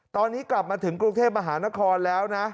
ตอนนี้กลับมาถึงกรุงเทพมหานครแล้วนะ